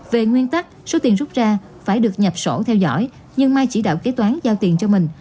về nguyên tắc số tiền rút ra phải được nhập sổ theo dõi nhưng mai chỉ đạo kế toán giao tiền cho mình